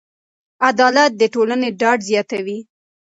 عدالت د ټولنې ډاډ زیاتوي.